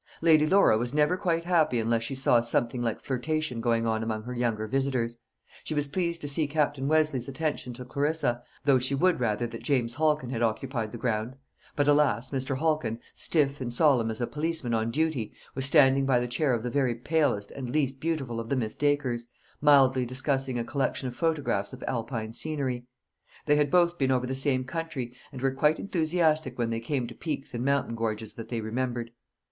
Lady Laura was never quite happy unless she saw something like flirtation going on among her younger visitors. She was pleased to see Captain Westleigh's attention to Clarissa, though she would rather that James Halkin had occupied the ground. But, alas! Mr. Halkin, stiff and solemn as a policeman on duty, was standing by the chair of the very palest and least beautiful of the Miss Dacres, mildly discussing a collection of photographs of Alpine scenery. They had both been over the same country, and were quite enthusiastic when they came to peaks and mountain gorges that they remembered.